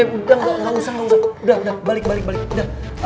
eh udah gausah gausah udah udah balik balik udah